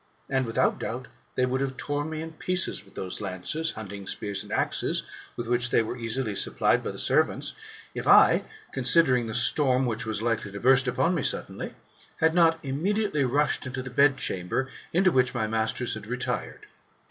And, without doubt, they would have torn me in pieces with those lances, hunting spears, and axes, with which they were easily supplied by the servants, if I, considering the storm which was likely to burst upon me suddenly, had not immediately rushed into the bedchamber, into which my masters had retired.